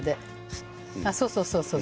あっそうそうそうそう。